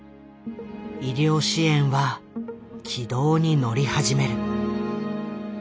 医療支援は軌道に乗り始める。